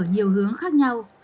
nhiều hướng khác nhau